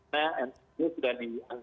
nah nf ini sudah